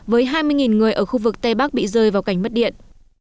với hai mươi người ở khu vực tây bắc bị rơi vào cảnh mất điện